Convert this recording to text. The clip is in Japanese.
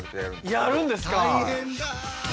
やるんですか。